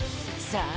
さあ。